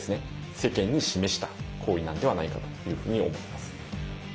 世間に示した行為なのではないかというふうに思います。